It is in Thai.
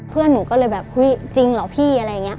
เพื่อนหนูก็เลยแบบอุ๊ยจริงเหรอพี่อะไรอย่างนี้